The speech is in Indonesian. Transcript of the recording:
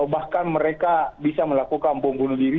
bahkan mereka bisa melakukan bom bunuh diri